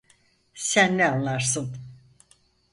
Sen ne anlarsın?